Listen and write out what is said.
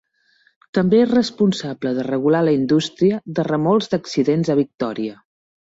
També és responsable de regular la indústria de remolcs d'accidents a Victòria.